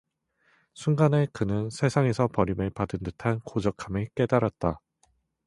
순간에 그는 세상에서 버림을 받은 듯한 고적함을 깨달았다.